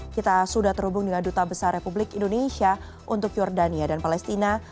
kita sudah terhubung dengan duta besar republik indonesia untuk jordania dan palestina